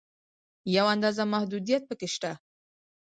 یوه اندازه محدودیت په کې شته.